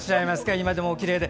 今でもおきれいで。